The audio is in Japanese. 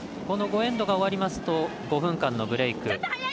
この５エンドが終わりますと５分間のブレーク。